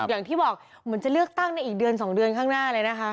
อย่างที่บอกเหมือนจะเลือกตั้งในอีกเดือน๒เดือนข้างหน้าเลยนะคะ